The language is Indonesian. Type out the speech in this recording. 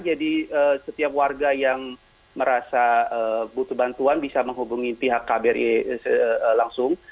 jadi setiap warga yang merasa butuh bantuan bisa menghubungi pihak kbri langsung